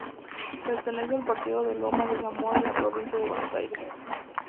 Pertenece al partido de Lomas de Zamora en la provincia de Buenos Aires.